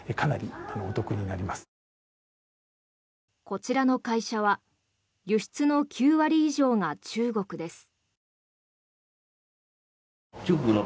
こちらの会社は輸出の９割以上が中国です。